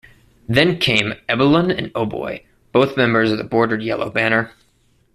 Then came Ebilun and Oboi, both members of the Bordered Yellow Banner.